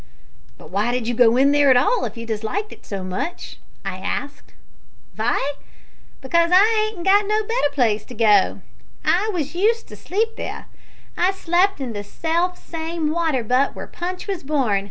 "But why did you go there at all if you disliked it so much?" I asked. "Vy? because I 'adn't got no better place to go to. I was used to sleep there. I slep' in the self same water butt where Punch was born.